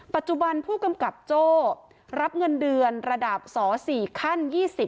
ปัจจุบันพกโจรับเงินเดือนส๔ขั้น๒๐